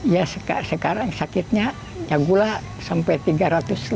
ya sekarang sakitnya cagulah sampai rp tiga ratus